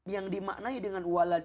yang dimaknai dengan walad